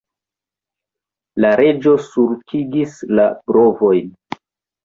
La Reĝo sulkigis la brovojn.